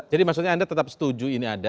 jadi maksudnya anda tetap setuju ini ada